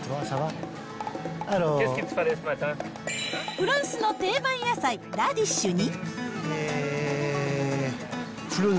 フランスの定番野菜、ラディッシュに。